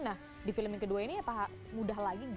nah di film yang kedua ini apa mudah lagi